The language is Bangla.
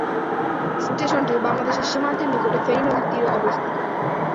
স্টেশনটি বাংলাদেশ সীমান্তের নিকটে ফেনী নদীর তীরে অবস্থিত।